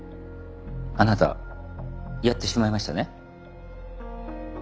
あなたやってしまいましたね。